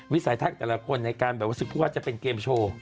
วิสัยทักษ์วิสัยทองการยึดพูกว่าจะเป็นเกมโชว์